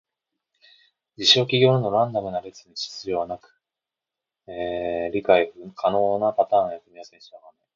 事象・記号などのランダムな列には秩序がなく、理解可能なパターンや組み合わせに従わない。